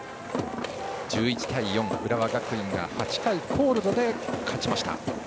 １１対４、浦和学院が８回コールドで勝ちました。